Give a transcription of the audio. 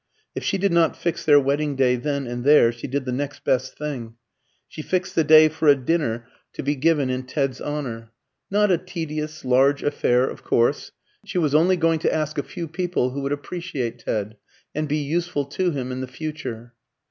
If she did not fix their wedding day then and there, she did the next best thing she fixed the day for a dinner to be given in Ted's honour. Not a tedious, large affair, of course. She was only going to ask a few people who would appreciate Ted, and be useful to him in "the future."